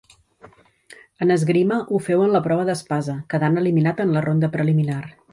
En esgrima ho féu en la prova d'espasa, quedant eliminat en la ronda preliminar.